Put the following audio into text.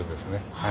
はい。